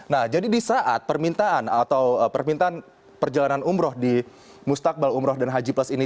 nah jadi di saat permintaan atau permintaan perjalanan umroh di mustaqbal umroh dan haji plus ini